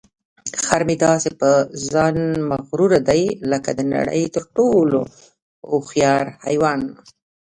خر مې داسې په ځان مغروره دی لکه د نړۍ تر ټولو هوښیار حیوان.